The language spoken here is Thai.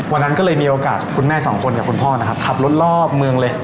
วันนั้นก็เลยมีโอกาสคุณแม่สองคนกับคุณพ่อนะครับขับรถรอบเมืองเลย